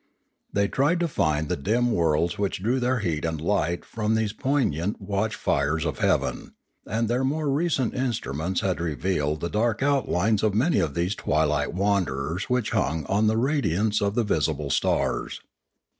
They tried to find the dim worlds which drew their heat and light from these poignant watch fires of heaven; and their more recent instruments had revealed the dark outlines of many of these twilight wanderers which hung on the radiance of the visible stars.